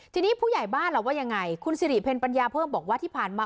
ทีนี้ผู้ใหญ่บ้านล่ะว่ายังไงคุณสิริเพลปัญญาเพิ่มบอกว่าที่ผ่านมา